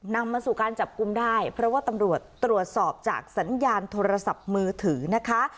นำมาสู่การจับกลุ่มได้เพราะว่าตำรวจตรวจสอบจากสัญญาณโทรศัพท์มือถือนะคะ